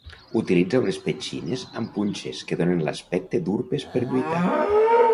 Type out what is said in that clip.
Utilitza unes petxines amb punxes que donen l'aspecte d'urpes per lluitar.